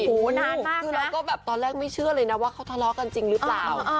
คือเราก็แบบตอนแรกไม่เชื่อเลยนะว่าเขาทะเลาะกันจริงหรือเปล่า